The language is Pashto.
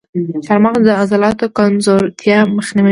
چارمغز د عضلاتو کمزورتیا مخنیوی کوي.